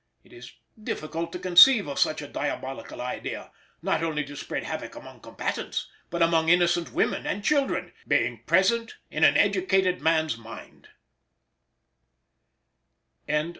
It is difficult to conceive of such a diabolical idea, not only to spread havoc among combatants, but among innocent women and children, being present in an educated man's mind.